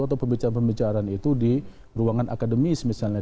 atau pembicaraan pembicaraan itu di ruangan akademis misalnya